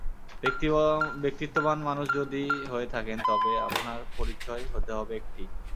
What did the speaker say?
ব্যক্তিত্ববান মানুষ যদি হয়ে থাকেন, তবে আপনার পরিচয় হতে হবে একটিই।